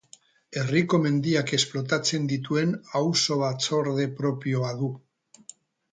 Herriko mendiak esplotatzen dituen auzo batzorde propioa du.